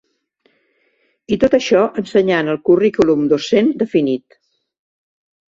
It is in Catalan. I tot això ensenyant el currículum docent definit.